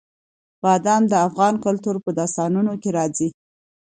بادام د افغان کلتور په داستانونو کې راځي.